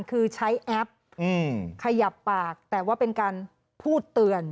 คือใช้แอปขยับปากแต่ว่าเป็นการพูดเตือน